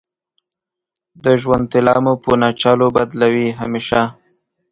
د ژوند طلا مو په ناچلو بدلوې همیشه